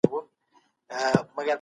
په تېرو وختونو کي سیاست پرمختګ وکړ.